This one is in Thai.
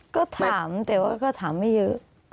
ก็ถามแต่ว่าก็ถามไม่เยอะ